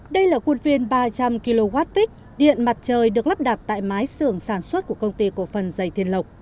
đây là khuôn viên ba trăm linh kwp điện mặt trời được lắp đặt tại mái xưởng sản xuất của công ty cổ phần dày thiên lộc